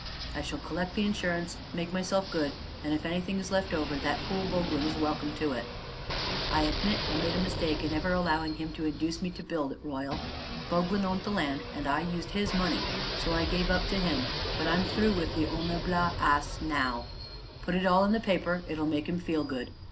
I shall collect the insurance, make myself good, and if anything's left over, that fool Boglin is welcome to it. I admit I made a mistake in ever allowing him to induce me to build at Royal. Boglin owned the land and I used his money, so I gave up to him; but I'm through with the honer'ble ass now. Put it all in the paper; it'll make him feel good.